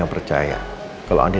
apa ada lagi